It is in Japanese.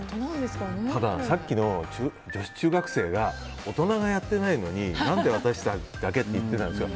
ただ、さっきの女子中学生が大人がやってないのに何で私だけって言っていたんですが。